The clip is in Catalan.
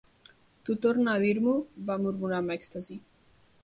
Tu torna a dir-m'ho, va murmurar amb èxtasi.